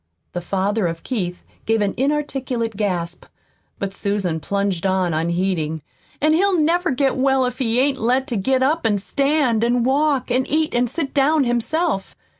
The father of Keith gave an inarticulate gasp, but Susan plunged on unheeding. "An' he'll never get well if he ain't let to get up an' stand an' walk an' eat an' sit down himself.